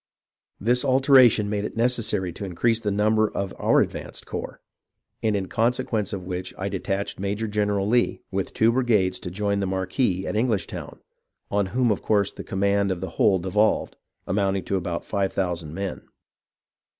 This alteration made it necessary to increase the number of our advanced corps, and in consequence of which I detached Major general Lee with two brigades to join the marquis at English town, on whom of course the command of the whole devolved, amounting to about five thousand men.